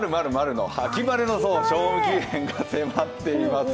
秋晴れの賞味期限が迫っています。